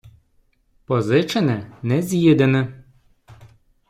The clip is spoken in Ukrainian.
Позичене — не з'їдене.